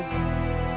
tunggu beberapa menit